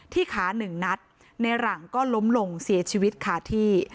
ที่ขา๑นัดในหลังก็ล้มลงเสียชีวิตขาที่